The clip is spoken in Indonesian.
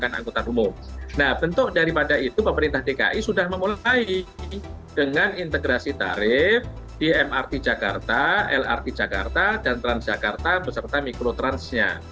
nah bentuk daripada itu pemerintah dki sudah memulai dengan integrasi tarif di mrt jakarta lrt jakarta dan transjakarta beserta mikrotransnya